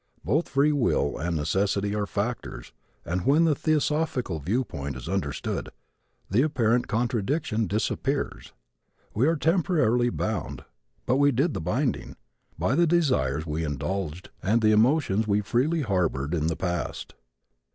Both free will and necessity are factors and when the theosophical viewpoint is understood the apparent contradiction disappears. We are temporarily bound, but we did the binding, by the desires we indulged and the emotions we freely harbored in the past.